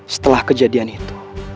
setelah kejadian itu